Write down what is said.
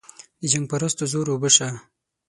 د جنګ پرستو زور اوبه شه.